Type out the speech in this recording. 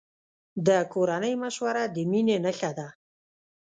د کورنۍ مشوره د مینې نښه ده.